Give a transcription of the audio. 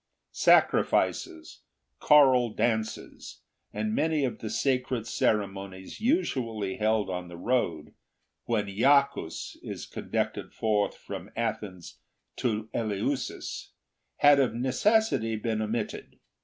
Sacrifices, choral dances, and many of the sacred ceremonies usually held on the road, when Iacchus is conducted forth from Athens to Eleusis, had of necessity been omitted.